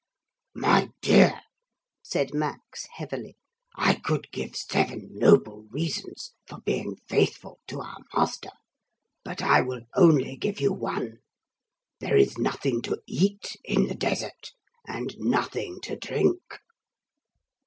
'My dear,' said Max heavily, 'I could give seven noble reasons for being faithful to our master. But I will only give you one. There is nothing to eat in the desert, and nothing to drink.'